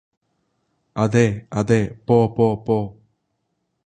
അതെ അതെ പോ പോ പോ